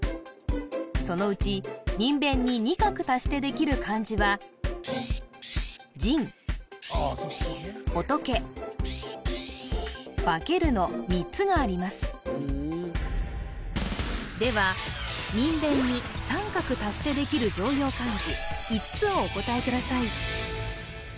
そのうちにんべんに２角足してできる漢字はの３つがありますではにんべんに３画足してできる常用漢字５つをお答えください